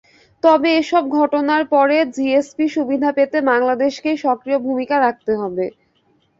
তবে এসব ঘটনার পরে জিএসপি সুবিধা পেতে বাংলাদেশকেই সক্রিয় ভূমিকা রাখতে হবে।